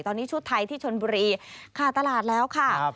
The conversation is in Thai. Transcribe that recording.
ตอนนี้ชุดไทยที่ชนบุรีขาดตลาดแล้วค่ะ